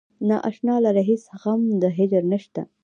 نا اشنا لره هیڅ غم د هجر نشته.